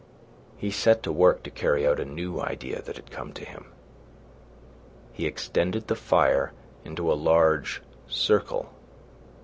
He set to work to carry out a new idea that had come to him. He extended the fire into a large circle.